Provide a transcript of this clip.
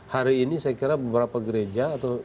hari ini saya kira beberapa gereja atau